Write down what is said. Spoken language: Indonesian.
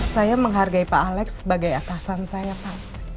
saya menghargai pak alex sebagai atasan saya pak